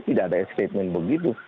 tidak ada statement begitu